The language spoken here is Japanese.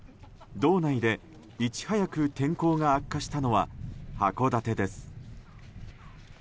道内で、いち早く天候が悪化したのは函館です。